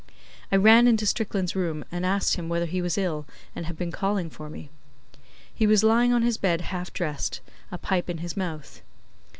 I ran into Strickland's room and asked him whether he was ill, and had been calling for me. He was lying on his bed half dressed, a pipe in his mouth.